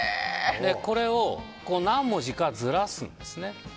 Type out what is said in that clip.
これを何文字かずらすんですね。